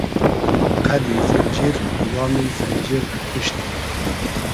قئدی زئنجیر وامی زئنجیر رۂ کوشتی